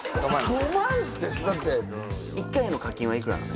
５万って１回の課金はいくらなの？